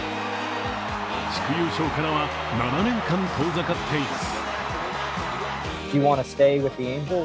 地区優勝からは７年間遠ざかっています。